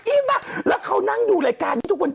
มาแล้วเขานั่งดูรายการนี้ทุกวัน